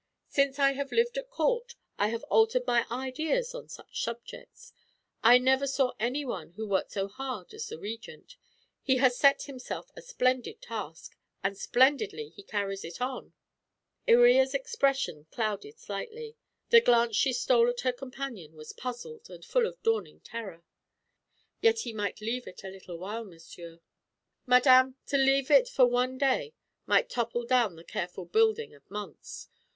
Since I have lived at a court I have altered my ideas on such subjects. I never saw any one who worked so hard as the Regent. He has set himself a splendid task, and splendidly he carries it on." Iría's expression clouded slightly; the glance she stole at her companion was puzzled and full of dawning terror. "Yet he might leave it a little while, monsieur." "Madame, to leave it for one day might topple down the careful building of months.